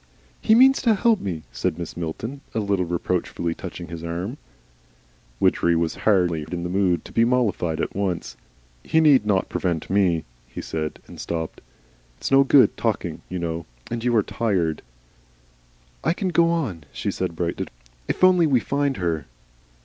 "He means to help me," said Mrs. Milton, a little reproachfully, touching his arm. Widgery was hardly in the mood to be mollified all at once. "He need not prevent ME," he said, and stopped. "It's no good talking, you know, and you are tired." "I can go on," she said brightly, "if only we find her."